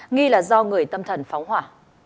nghi là do người tâm thần phóng hỏa